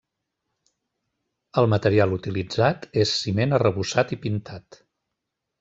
El material utilitzat és ciment arrebossat i pintat.